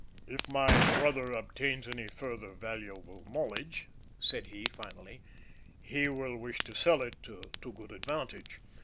"If my brother obtains any further valuable knowledge," said he, finally, "he will wish to sell it to good advantage.